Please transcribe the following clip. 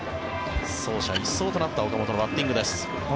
走者一掃となった岡本のバッティングです。